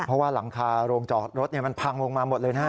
เพราะว่าหลังคาโรงจอดรถมันพังลงมาหมดเลยนะฮะ